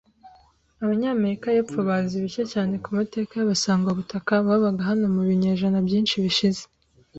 Abanyamerika y'Epfo bazi bike cyane ku mateka y'abasangwabutaka babaga hano mu binyejana byinshi bishize.